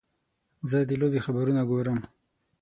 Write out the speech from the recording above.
زه د لوبې خبرونه ګورم.